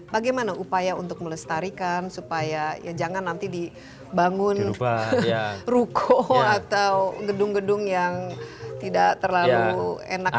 bagaimana upaya untuk melestarikan supaya ya jangan nanti dibangun ruko atau gedung gedung yang tidak terlalu enak